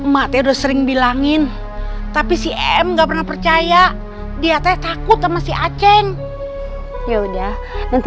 mateo sering bilangin tapi si em nggak pernah percaya dia takut sama si aceng ya udah nanti